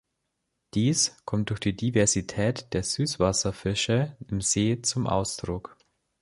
Dies kommt durch die Diversität der Süßwasserfische im See zum Ausdruck.